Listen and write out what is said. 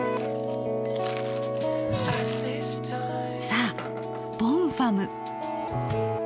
さあボンファム。